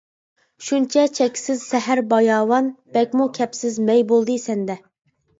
شۇنچە چەكسىز سەھەر باياۋان، بەكمۇ كەپسىز مەي بولدى سەندە.